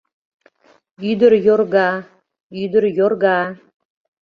Ӱдыр йорга, ӱдыр йорга